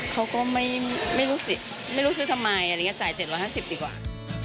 เขาก็ไม่รู้สึกทำไมอะไรอย่างนี้จ่าย๗๕๐บาทดีกว่า